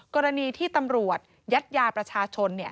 กรณีที่ตำรวจยัดยาประชาชน